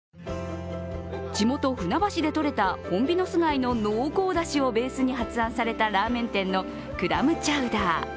地元、船橋でとれたホンビノス貝の濃厚だしをベースに発案されたラーメン店のクラムチャウダー。